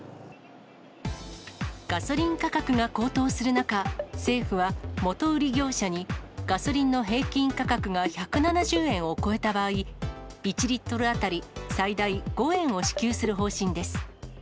ガソリン価格が高騰する中、政府は、元売り業者にガソリンの平均価格が１７０円を超えた場合、１リットル当たり最大５円を支給する方針です。